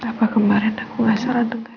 kenapa kemarin aku gak salah dengar